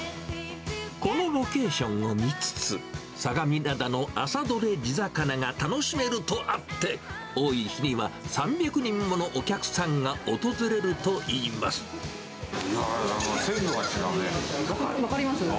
このロケーションを見つつ、相模灘の朝取れ地魚が楽しめるとあって、多い日には３００人もの鮮度が違うね。